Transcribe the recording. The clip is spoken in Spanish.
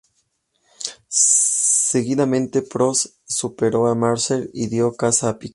Seguidamente Prost superó a Mansell y dio caza a Piquet.